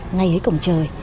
ngày ấy cổng trời